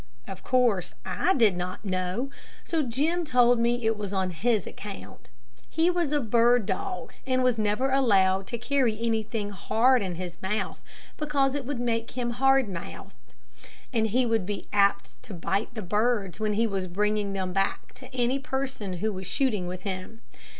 Of course I did not know, so Jim told me it was on his account. He was a bird dog, and was never allowed to carry anything hard in his mouth, because it would make him hard mouthed, and he would be apt to bite the birds when he was bringing them back to any person who was shooting with him.